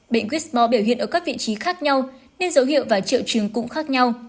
bệnh whore biểu hiện ở các vị trí khác nhau nên dấu hiệu và triệu chứng cũng khác nhau